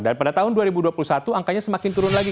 dan pada tahun dua ribu dua puluh satu angkanya semakin turun lagi